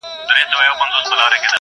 مُلا خپور کړی د جهل جال دی ..